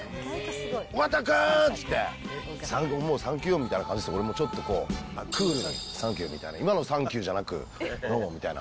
尾形くーんつって、もう、サンキューみたいな感じで、俺もちょっとこう、クールにサンキューみたいな、今のサンキューじゃなく、どうもみたいな。